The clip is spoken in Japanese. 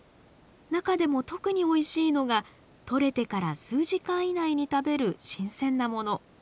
中でも特においしいのがとれてから数時間以内に食べる新鮮なもの。